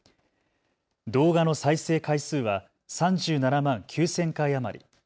動画の再生回数は３７万９０００回余り。